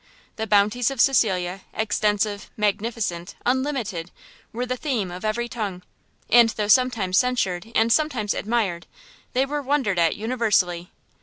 The bounties of Cecilia, extensive, magnificent, unlimited, were the theme of every tongue, and though sometimes censured and sometimes admired, they were wondered at universally.